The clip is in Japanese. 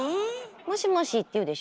「もしもし」って言うでしょ？